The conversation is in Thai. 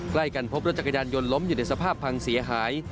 ใกล้กันพบรถจักรยานยนต์ล้มอยู่ในสภาพพังเสียหาย